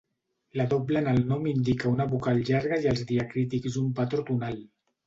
La doble en el nom indica una vocal llarga i els diacrítics un patró tonal.